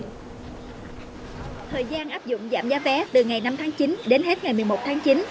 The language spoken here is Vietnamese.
thời gian áp dụng giảm giá vé từ ngày năm tháng chín đến hết ngày một mươi một tháng chín